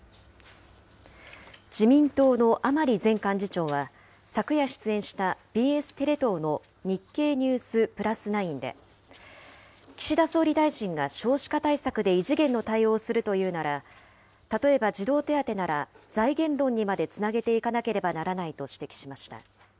自民党の甘利前幹事長は、昨夜出演したＢＳテレ東の日経ニュースプラス９で、岸田総理大臣が少子化対策で異次元の対応をするというなら、例えば児童手当なら財源論にまでつなげていかなければならないと指摘しました。